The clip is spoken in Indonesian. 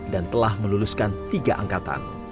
dan telah meluluskan tiga angkatan